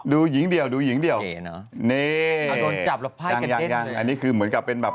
ดูหญิงเดียวดูหญิงเดียวเก๋เนอะ